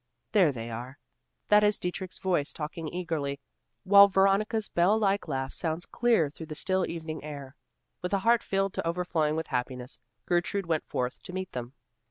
there they are! that is Dietrich's voice talking eagerly, while Veronica's bell like laugh sounds clear through the still evening air. With a heart filled to overflowing with happiness, Gertrude went forth to meet them.